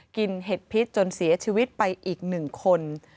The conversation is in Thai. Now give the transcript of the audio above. เห็ดพิษจนเสียชีวิตไปอีก๑คน